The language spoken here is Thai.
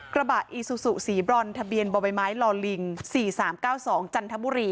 กระบะอีซูซูสีบรอนทะเบียนบ่อใบไม้ลอลิง๔๓๙๒จันทบุรี